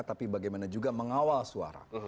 tapi bagaimana juga mengawal suara